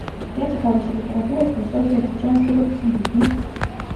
Я цікаўлюся літаратурай, філасофіяй, жыццём, жывапісам, людзьмі.